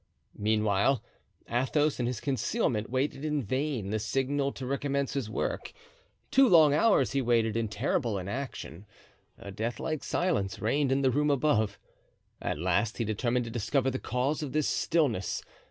Meanwhile, Athos, in his concealment, waited in vain the signal to recommence his work. Two long hours he waited in terrible inaction. A deathlike silence reigned in the room above. At last he determined to discover the cause of this stillness.